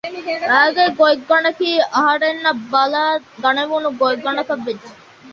އަިގެ އެ ގޮތްގަނޑަކީ އަހަރެންނަށް ބަލައިގަނެވުނު ގޮތްގަނޑަކަށް ވެއްޖެ